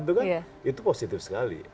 itu kan itu positif sekali